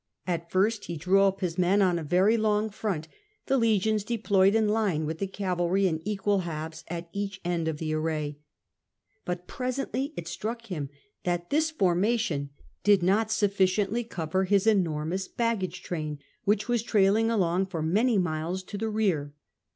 At first he drew up his men on a very long front, the legions deployed in line, with the cavalry in equal halves at each end of the array. But presently it struck him that this formation did not sufficiently cover his enormous baggage train, which was trailing along for many miles to the rear.